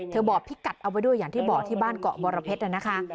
บอกพี่กัดเอาไว้ด้วยอย่างที่บอกที่บ้านเกาะบรเพชรนะคะ